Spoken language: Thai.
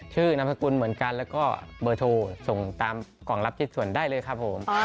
นามสกุลเหมือนกันแล้วก็เบอร์โทรส่งตามกล่องรับชิ้นส่วนได้เลยครับผม